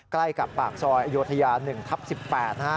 ใกล้กับปากซอยอโยธยา๑ทับ๑๘นะฮะ